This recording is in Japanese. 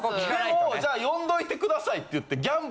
でも「じゃあ呼んどいてください」って言って。